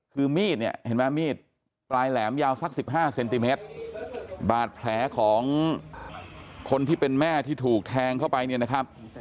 คือมีดเนี่ยเห็นไหมมีดปลายแหลมยาวสักสิบห้าเซนติเมตรบาดแผลของคนที่เป็นแม่ที่ถูกแทงเข้าไปเนี่ยนะครับ